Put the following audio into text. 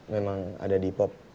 memang ada di pop